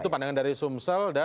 itu pandangan dari sumsel